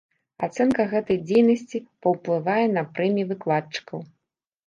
Ацэнка гэтай дзейнасці паўплывае на прэміі выкладчыкаў.